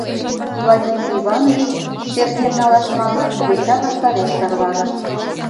Владимир Иванович, терген налаш манын, йоча ваштареш тарваныш.